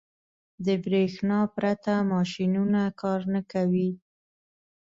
• د برېښنا پرته ماشينونه کار نه کوي.